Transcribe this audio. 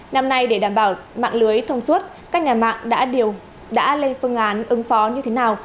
năm nay để đảm bảo mạng lưới thông suốt các nhà mạng đã lên phương án ứng phó như thế nào